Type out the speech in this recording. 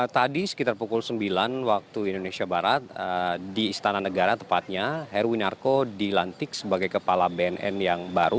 tadi sekitar pukul sembilan waktu indonesia barat di istana negara tepatnya heruwinarko dilantik sebagai kepala bnn yang baru